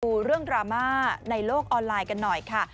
ดูเรื่องดราม่าในโลกออนไลน์กันหน่อยค่ะ